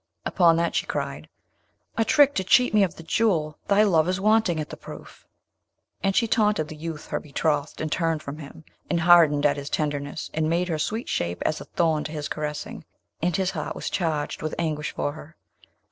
Upon that she cried, 'A trick to cheat me of the Jewel! thy love is wanting at the proof.' And she taunted the youth her betrothed, and turned from him, and hardened at his tenderness, and made her sweet shape as a thorn to his caressing, and his heart was charged with anguish for her.